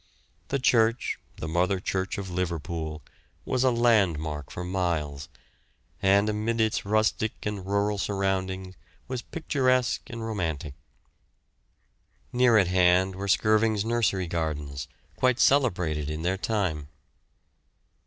The church, the mother church of Liverpool, was a landmark for miles, and amid its rustic and rural surroundings was picturesque and romantic. Near at hand were Skirving's nursery gardens, quite celebrated in their time.